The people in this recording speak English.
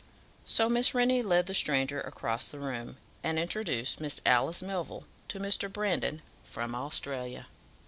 So Miss Rennie led the stranger across the room, and introduced Miss Alice Melville to Mr. Brandon, from Australia.